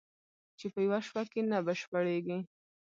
چې په یوه شپه کې نه بشپړېږي